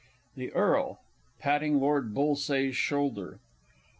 The Earl (patting Lord BULLSAYE'S shoulder).